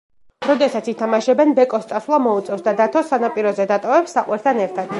როდესაც ითამაშებენ, ბეკოს წასვლა მოუწევს და დათოს სანაპიროზე დატოვებს საყვირთან ერთად.